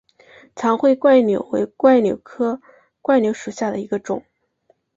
长穗柽柳为柽柳科柽柳属下的一个种。